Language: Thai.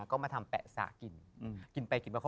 พี่ยังไม่ได้เลิกแต่พี่ยังไม่ได้เลิก